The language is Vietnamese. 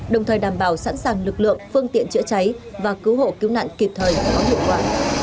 đồng thời đảm bảo sẵn sàng lực lượng phương tiện chữa cháy và cứu hộ cứu nạn kịp thời có hiệu quả